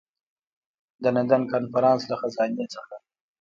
د لندن کنفرانس له خزانې څخه.